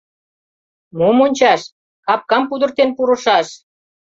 — Мом ончаш, капкам пудыртен пурышаш!